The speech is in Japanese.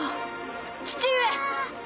父上！